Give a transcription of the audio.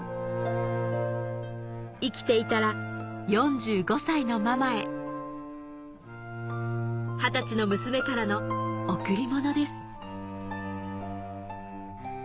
生きていたら４５歳のママへ二十歳の娘からの贈り物です